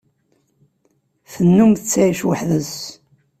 Tennum tettɛic weḥd-s.